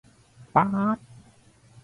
ป๊าด